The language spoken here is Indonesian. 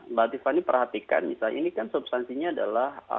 mbak tiffany perhatikan misalnya ini kan substansinya adalah